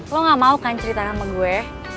lo gak mau kan cerita sama gue